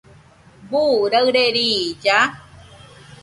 ¿Buu raɨre riilla?